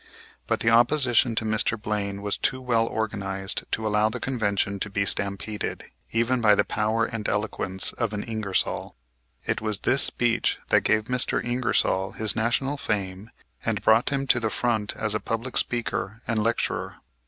But the opposition to Mr. Blaine was too well organized to allow the Convention to be stampeded, even by the power and eloquence of an Ingersoll. It was this speech that gave Mr. Ingersoll his national fame and brought him to the front as a public speaker and lecturer.